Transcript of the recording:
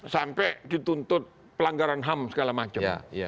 sampai dituntut pelanggaran ham segala macam